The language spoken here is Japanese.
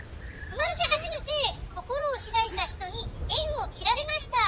『生まれて初めて心を開いた人に縁を切られました。